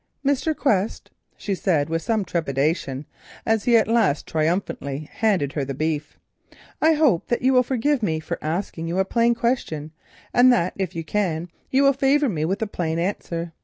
"Mr. Quest," she said, with some trepidation, as he at last triumphantly handed her the beef, "I hope you will forgive me for asking you a plain question, and that, if you can, you will favour me with a plain answer.